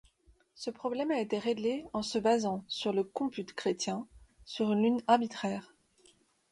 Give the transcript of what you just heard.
Ce problème a été réglé en basant le comput chrétien sur une lune arbitraire.